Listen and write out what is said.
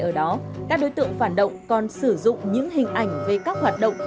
ở đó các đối tượng phản động còn sử dụng những hình ảnh về các hoạt động